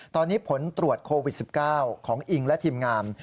ตอนนี้ผลตรวจโควิด๑๙ของอิงและทีมงาน